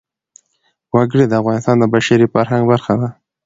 وګړي د افغانستان د بشري فرهنګ برخه ده.